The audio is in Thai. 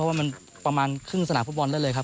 ว่ามันประมาณครึ่งสนามฟุตบอลได้เลยครับ